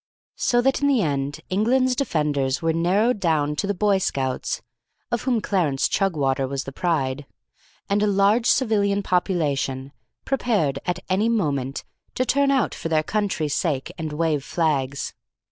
So that in the end England's defenders were narrowed down to the Boy Scouts, of whom Clarence Chugwater was the pride, and a large civilian population, prepared, at any moment, to turn out for their country's sake and wave flags.